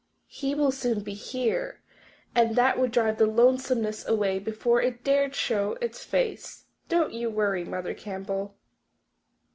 He will soon be here.' And that would drive the lonesomeness away before it dared to show its face. Don't you worry, Mother Campbell."